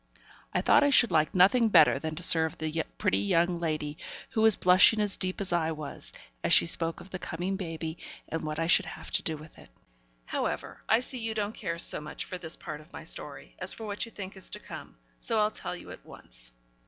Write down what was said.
I thought I should like nothing better than to serve the pretty young lady, who was blushing as deep as I was, as she spoke of the coming baby, and what I should have to do with it. However, I see you don't care so much for this part of my story, as for what you think is to come, so I'll tell you at once.